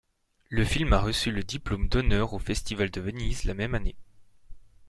Le film a reçu le diplôme d'honneur au Festival de Venise la même année.